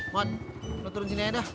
mod lu turun sini aja deh